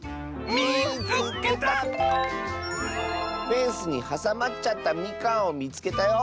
「フェンスにはさまっちゃったみかんをみつけたよ」。